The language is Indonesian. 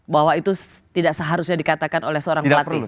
bahwa itu tidak seharusnya dikatakan oleh seorang pelatih